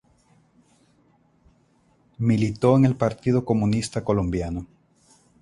Militó en el Partido Comunista Colombiano.